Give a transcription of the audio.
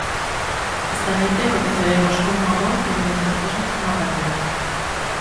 Esta noite coñeceremos como o amor pode vencer mesmo unha pandemia.